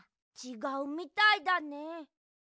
ちがうみたいだね。